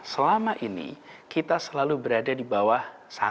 selama ini kita selalu berada di bawah satu